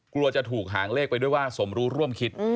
กลัวจะถูกหางเลขไปด้วยว่าสมรู้ร่วมคิด